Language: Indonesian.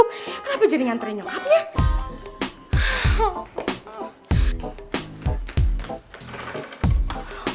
kenapa jadi ngantre nyokapnya